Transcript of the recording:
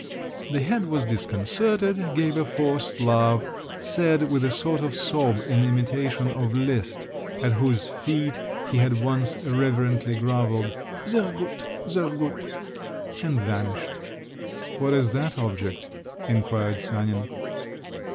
_" The head was disconcerted, gave a forced laugh, said with a sort of sob, in imitation of Liszt, at whose feet he had once reverently grovelled, "Sehr gut, sehr gut!" and vanished. "What is that object?" inquired Sanin.